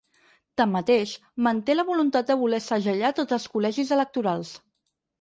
Tanmateix, manté la voluntat de voler segellar tots els col·legis electorals.